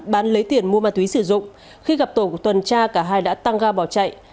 bán lấy tiền mua ma túy sử dụng khi gặp tổ của tuần tra cả hai đã tăng ga bỏ chạy